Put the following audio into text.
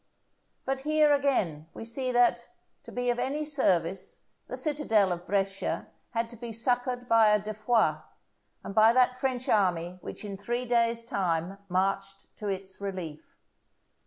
But here, again, we see that, to be of any service, the citadel of Brescia had to be succoured by a de Foix, and by that French army which in three days' time marched to its relief.